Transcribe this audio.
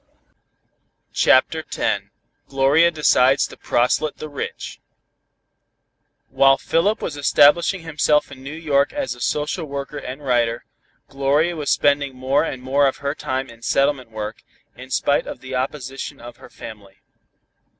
CHAPTER X GLORIA DECIDES TO PROSELYTE THE RICH While Philip was establishing himself in New York, as a social worker and writer, Gloria was spending more and more of her time in settlement work, in spite of the opposition of her family.